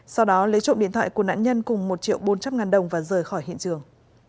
sau đó lấy trộm điện thoại của nạn nhân cùng một triệu bốn trăm linh ngàn đồng và rời khỏi hiện trường